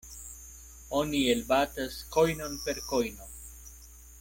Oni elbatas kojnon per kojno.